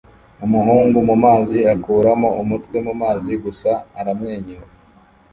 umuhungu mumazi akuramo umutwe mumazi gusa aramwenyura